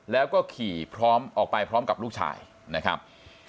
แล้วก็ขี่พร้อมออกไปพร้อมกับลูกชายนะครับ